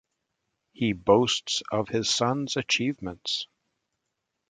He boasts of his sons achievements.